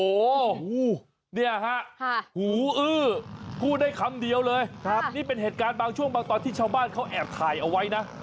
โอ้โหเนี่ยฮะหูอื้อพูดได้คำเดียวเลยครับนี่เป็นเหตุการณ์บางช่วงบางตอนที่ชาวบ้านเขาแอบถ่ายเอาไว้นะ